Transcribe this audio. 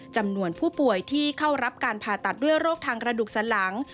จำนวนผู้ป่วยที่เข้ารับการผ่าตัดด้วยโรคทางกระดูกสันหลัง